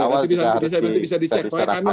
itu bisa dicek